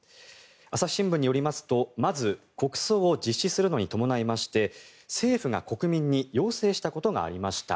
朝日新聞によりますとまず、国葬を実施するのに伴いまして政府が国民に要請したことがありました。